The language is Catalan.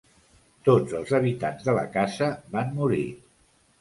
Tots els habitants de la casa van morir.